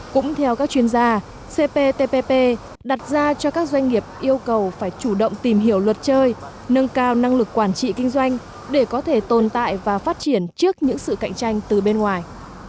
cũng theo các chuyên gia cptpp đặt ra cho các doanh nghiệp yêu cầu phải chủ động tìm hiểu luật chơi nâng cao năng lực quản trị kinh doanh để có thể tồn tại và phát triển trước những sự cạnh tranh từ bên ngoài